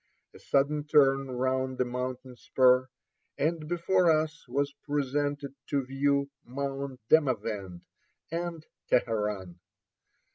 A sudden turn round a Ill 85 mountain spur, and before us was presented to view Mount Demavend and Teheran.